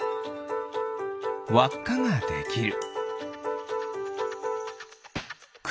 わっかができる。